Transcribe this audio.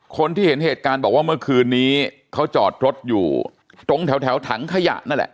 คนที่เห็นเหตุการณ์บอกว่าเมื่อคืนนี้เขาจอดรถอยู่ตรงแถวถังขยะนั่นแหละ